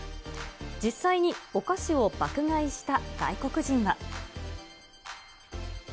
実際にお菓子を爆買いした外国人は。